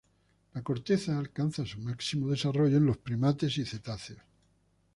La corteza alcanza su máximo desarrollo en los primates y cetáceos.